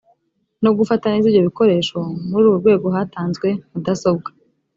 no gufata neza ibyo bikoresho muri urwo rwego hatanzwe mudasobwa